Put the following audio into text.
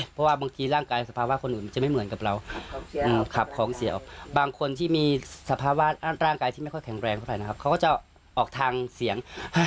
เพราะว่าบางทีร่างกายสภาวะคนอื่นจะไม่เหมือนกับเราขับของเสียวบางคนที่มีสภาวะร่างกายที่ไม่ค่อยแข็งแรงเท่าไหร่นะครับเขาก็จะออกทางเสียง